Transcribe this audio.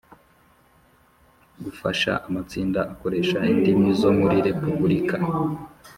Gufasha amatsinda akoresha indimi zo muri repubulika